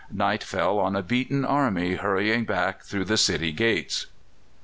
Night fell on a beaten army hurrying back through the city gates.